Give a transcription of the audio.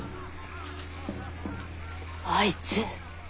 あいつ！